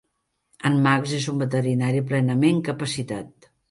En Max és un veterinari plenament capacitat.